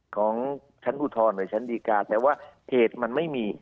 ของชั้นอุทธรณ์หรือชั้นดีการแต่ว่าเหตุมันไม่มี